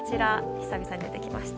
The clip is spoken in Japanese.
久々に出てきました。